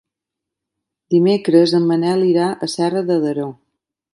Dimecres en Manel irà a Serra de Daró.